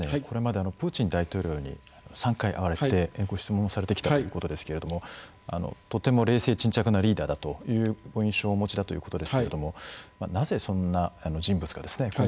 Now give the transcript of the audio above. これまでプーチン大統領に３回会われてご質問されてきたということですけれどもとても冷静沈着なリーダーだというご印象をお持ちだということですけれどもなぜそんな人物がですね